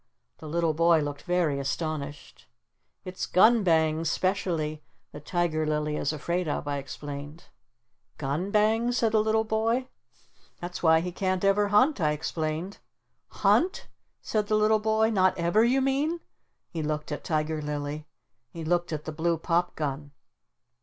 The little boy looked very astonished. "It's gun bangs specially that Tiger Lily is afraid of," I explained. "Gun bangs?" said the little boy. "That's why he can't ever hunt," I explained. "Hunt?" said the little boy. "Not ever you mean?" He looked at Tiger Lily. He looked at the blue pop gun.